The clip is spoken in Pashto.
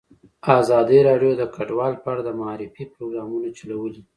ازادي راډیو د کډوال په اړه د معارفې پروګرامونه چلولي.